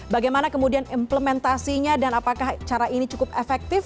bagaimana kemudian implementasinya dan apakah cara ini cukup efektif